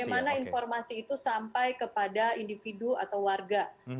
bagaimana informasi itu sampai kepada individu atau warga